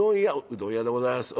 「うどん屋でございます」。